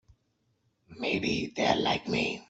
Maybe they're like me.